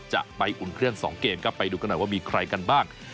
จะไปอุ่นเครื่อง๒เกมครับไปดูกันหน่อยว่ามีใครกันบ้าง